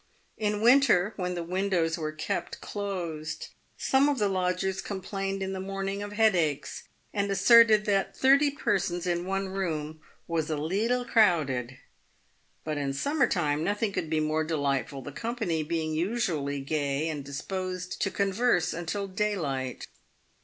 In winter, when the windows were kept closed, some of the lodgers complained in the morning of headaches, and asserted that thirty persons in one room " was a leetle crowded." But in summer time nothing could be more delightful, the company being usually gay and disposed to converse until daylight.